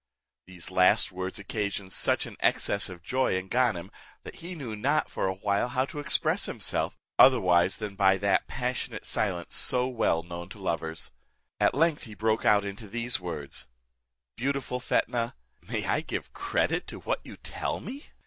These last words occasioned such an excess of joy in Ganem, that he knew not for a while how to express himself, otherwise than by that passionate silence so well known to lovers. At length he broke out in these words: "Beautiful Fetnah, may I give credit to what you tell me?